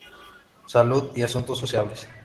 Salud y Asuntos Sociales.